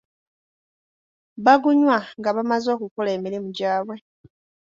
Bagunywa nga bamaze okukola emirimu gyabwe.